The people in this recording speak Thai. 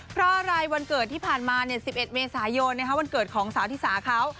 เพราะอะไรวันเกิดที่ผ่านมา๑๑เมษายนวันเกิดของสาวธิสาเขา